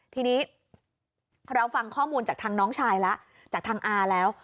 ทีนี้เราฟังข้อมูลจากทางน้องชายแล้วจากทางอาแล้ว